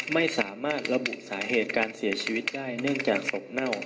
ไม่สามารถระบุสาเหตุการเสียชีวิตได้เนื่องจากศพเน่า